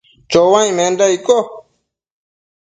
chouaic menda icco ?